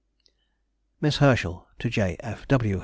MISS HERSCHEL TO J. F. W.